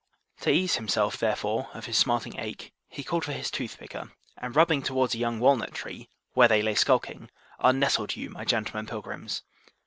To ease himself therefore of his smarting ache, he called for his toothpicker, and rubbing towards a young walnut tree, where they lay skulking, unnestled you my gentlemen pilgrims.